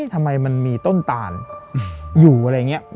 ทำไมมันมีต้นตาลอยู่อะไรอย่างนี้